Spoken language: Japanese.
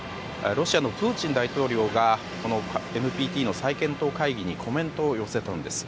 ロシアのプーチン大統領がこのＮＰＴの再検討会議にコメントを寄せたんです。